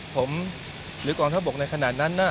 ผมหรือกองท่อบบกในขนาดนั้น